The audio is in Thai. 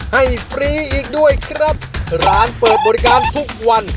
ฟรีอีกด้วยครับร้านเปิดบริการทุกวัน